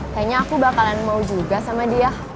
kayaknya aku bakalan mau juga sama dia